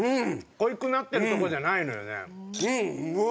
濃ゆくなってるとかじゃないのよねうん！